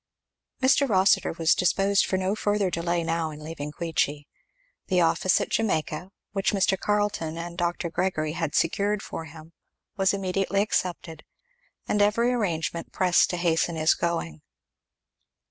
Mr. Rossitur was disposed for no further delay now in leaving Queechy. The office at Jamaica, which Mr. Carleton and Dr. Gregory had secured for him, was immediately accepted; and every arrangement pressed to hasten his going.